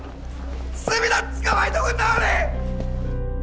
角田捕まえとくんなはれ！